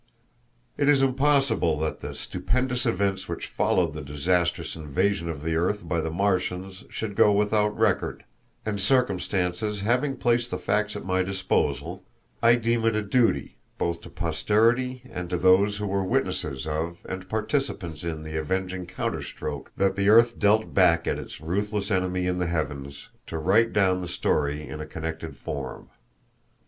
It is impossible that the stupendous events which followed the disastrous invasion of the earth by the Martians should go without record, and circumstances having placed the facts at my disposal, I deem it a duty, both to posterity and to those who were witnesses of and participants in the avenging counterstroke that the earth dealt back at its ruthless enemy in the heavens, to write down the story in a connected form.